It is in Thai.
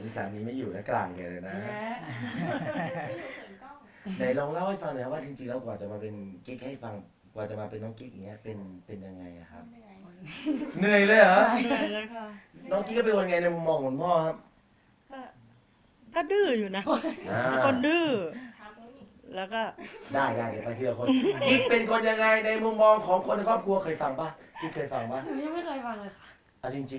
ใช่ชอบตัดภาพมาเนียน